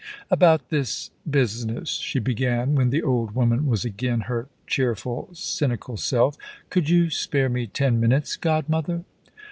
"About this business," she began, when the old woman was again her cheerful, cynical self: "could you spare me ten minutes, godmother?"